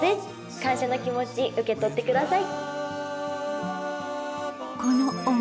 感謝の気持ち受け取ってください。